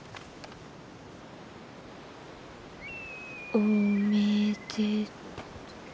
おめでと。